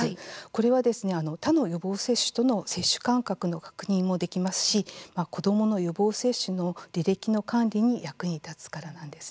これは、他の予防接種との接種間隔の確認もできますし子どもの予防接種の履歴の管理に役に立つからなんですね。